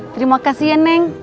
terimakasih ya neng